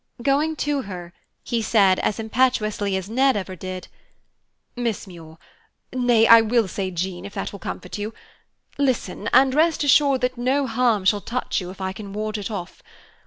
Going to her, he said as impetuously as Ned ever did, "Miss Muir nay, I will say Jean, if that will comfort you listen, and rest assured that no harm shall touch you if I can ward it off.